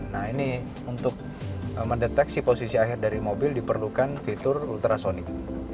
nah ini untuk mendeteksi posisi akhir dari mobil diperlukan fitur ultrasonic